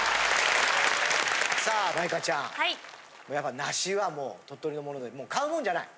さあ舞香ちゃんやっぱ梨はもう鳥取のもので買うもんじゃない？